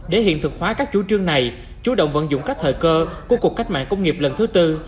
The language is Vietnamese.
để hiện thực hóa các chủ trương này chủ động vận dụng các thời cơ của cuộc cách mạng công nghiệp lần thứ tư